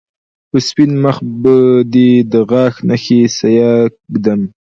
په سپين مخ به دې د غاښ نښې سياه ږدم